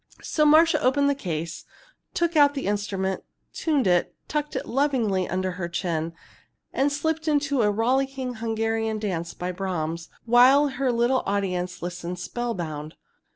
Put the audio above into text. So Marcia opened the case and took out the instrument, tuned it, tucked it lovingly under her chin, and slipped into a rollicking Hungarian dance by Brahms, while her little audience listened spellbound.